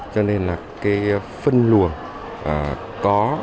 cho nên là cái phân luồng có